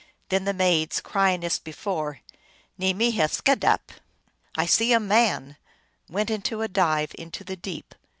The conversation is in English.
Then the maids, crying as before, " JVe mika skedap !"" I see a man !" went with a dive into the deep.